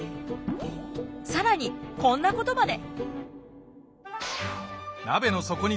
更にこんなことまで。